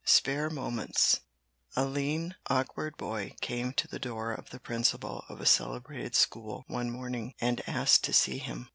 SPARE MOMENTS A lean, awkward boy came to the door of the principal of a celebrated school one morning, and asked to see him.